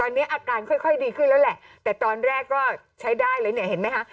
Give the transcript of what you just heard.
ตอนนี้อาการค่อยดีขึ้นแล้วแหละแต่ตอนแรกก็ใช้ได้เลยเนี่ยเห็นไหมคะ